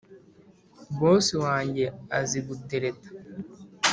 Bosi wanjye azi gutereta